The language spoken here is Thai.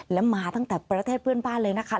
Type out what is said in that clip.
และมาตั้งแต่ประเทศเพื่อนบ้านเลยนะคะ